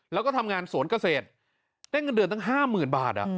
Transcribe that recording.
แล้วก็ทำงานสวนเกษตรได้เงินเดือนตั้ง๕๐๐๐บาท